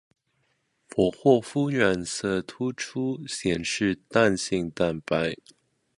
佛霍夫染色突出显示弹性蛋白。